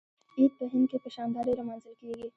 عید په هند کې په شاندارۍ لمانځل کیږي.